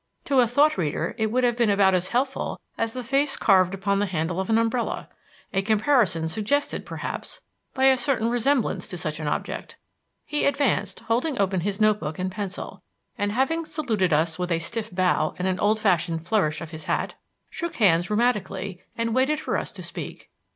To a thought reader it would have been about as helpful as the face carved upon the handle of an umbrella; a comparison suggested, perhaps, by a certain resemblance to such an object. He advanced, holding open his notebook and pencil, and having saluted us with a stiff bow and an old fashioned flourish of his hat, shook hands rheumatically and waited for us to speak.